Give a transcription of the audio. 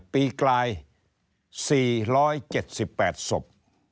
ปีกลาย๔๗๘ศพ